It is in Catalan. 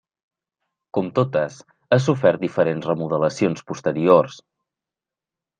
Com totes, ha sofert diferents remodelacions posteriors.